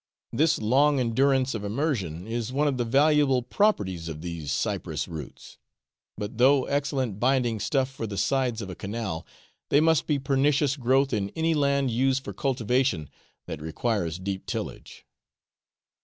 This long endurance of immersion is one of the valuable properties of these cypress roots; but though excellent binding stuff for the sides of a canal, they must be pernicious growth in any land used for cultivation that requires deep tillage.